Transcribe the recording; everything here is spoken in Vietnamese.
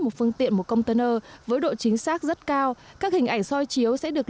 một phương tiện một container với độ chính xác rất cao các hình ảnh soi chiếu sẽ được